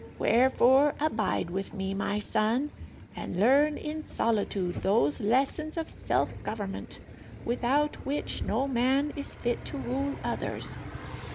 Wherefore abide with me, my son, and learn in solitude those lessons of self government without which no man is fit to rule others."